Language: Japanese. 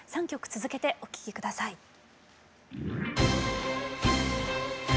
３曲続けてお聴きください。